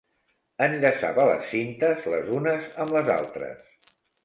Enllaçava les cintes les unes amb les altres.